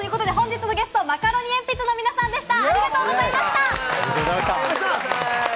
ということで本日のゲスト、マカロニえんぴつの皆さんでした。